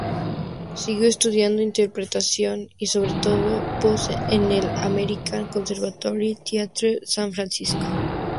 Siguió estudiando interpretación y sobre todo voz en el American Conservatory Theatre, San Francisco.